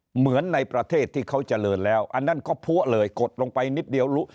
เหมือนในประเทศที่เขาเจริญแล้วอันนั้นก็พัวเลยกดลงไปนิดเดียวรู้